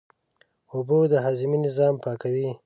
اوبه د هاضمې نظام پاکوي